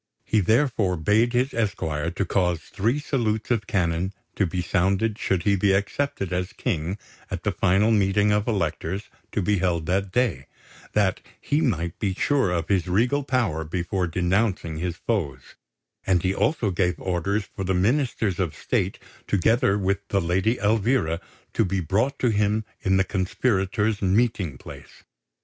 He therefore bade his esquire to cause three salutes of cannon to be sounded should he be accepted as King at the final meeting of Electors to be held that day, that he might be sure of his regal power before denouncing his foes; and he also gave orders for the Ministers of State, together with the Lady Elvira, to be brought to him in the conspirators' meeting place.